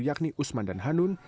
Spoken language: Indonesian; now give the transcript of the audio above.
yakni usman dan hanun